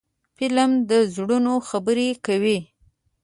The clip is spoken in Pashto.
فلم د زړونو خبرې کوي